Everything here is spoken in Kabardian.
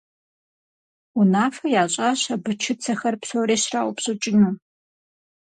Унафэ ящӀащ абы чыцэхэр псори щраупщӀыкӀыну.